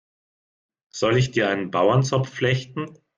Soll ich dir einen Bauernzopf flechten?